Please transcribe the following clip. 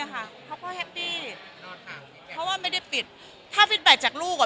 เขาก็แฮปปี้เพราะว่าไม่ได้ปิดถ้าฟิตแบตจากลูกอ่ะ